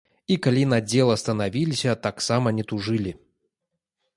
І калі на дзела станавіліся, таксама не тужылі.